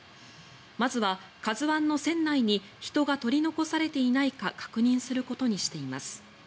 まずは「ＫＡＺＵ１」の船内に人が取り残されていないか確認することにしています。